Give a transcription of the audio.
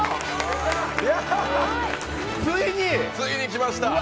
ついに来ました。